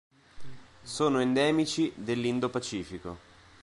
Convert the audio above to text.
Sono endemici dell'Indo-Pacifico.